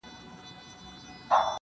• خپلو بچوړو ته په زرو سترګو زرو ژبو -